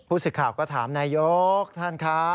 สิทธิ์ข่าวก็ถามนายกท่านครับ